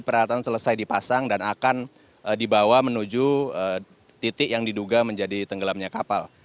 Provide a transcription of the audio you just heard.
peralatan selesai dipasang dan akan dibawa menuju titik yang diduga menjadi tenggelamnya kapal